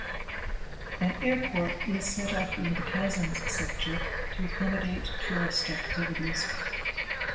An airport is set up in the chasms sector to accommodate tourist activities.